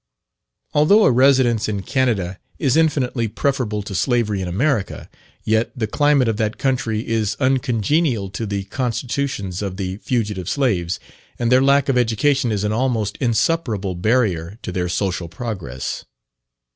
Although a residence in Canada is infinitely preferable to slavery in America, yet the climate of that country is uncongenial to the constitutions of the fugitive slaves, and their lack of education is an almost insuperable barrier to their social progress.